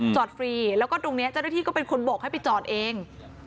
ฟรีแล้วก็ตรงนี้เจ้าหน้าที่ก็เป็นคนบกให้ไปจอดเอง